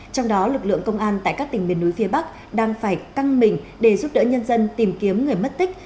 trong đó lực lượng công an tại các tỉnh miền núi phía bắc đang phải căng mình để giúp đỡ nhân dân tìm kiếm người mất tích